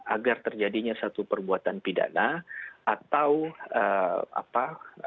agar terjadinya satu perbuatan pidana atau apa